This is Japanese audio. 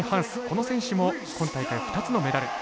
この選手も今大会２つのメダル。